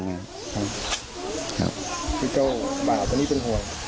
คือเจ้าบ่าวตัวนี้เป็นห่วง